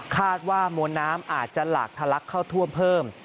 คาดว่ามวลน้ำอาจจะหลากทะลักเข้าท่วมเพิ่ม